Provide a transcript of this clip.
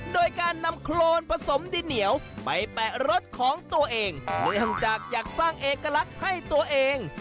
โดยการนำโครนผสมดินเหนียวไปแปะรถของตัวเองเนื่องจากอยากสร้างเอกลักษณ์ให้ตัวเอง